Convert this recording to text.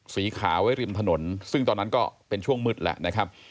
สีขาวไว้ริมถนนซึ่งตอนนั้นก็เป็นช่วงมืดแล้วนะครับ